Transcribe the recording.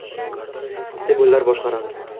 – stimullar boshqaradi.